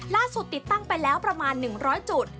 ร่าดสุดติดตั้งไปแล้วประมาณ๑๐๐จุด